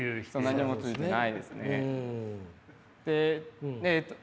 何もついてないですね。